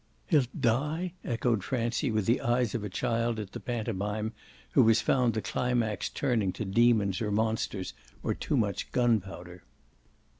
"He'll die?" echoed Francie with the eyes of a child at the pantomime who has found the climax turning to demons or monsters or too much gunpowder.